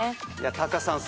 タカさん。